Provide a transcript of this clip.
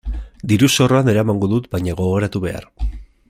Diru-zorroan eramango dut baina gogoratu behar.